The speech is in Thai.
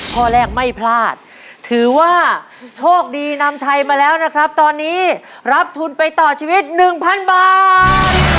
ข้อแรกไม่พลาดถือว่าโชคดีนำชัยมาแล้วนะครับตอนนี้รับทุนไปต่อชีวิต๑๐๐๐บาท